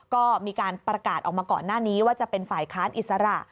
ก็มีการประกาศออกมาก่อนหน้านี้ว่าจะเป็นฝ่ายค้านอิสระ